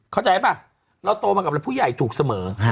เข้าใจป่ะเราโตมากับผู้ใหญ่ถูกเสมอ